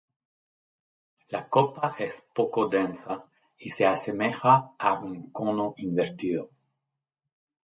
La copa es poco densa y se asemeja a un cono invertido.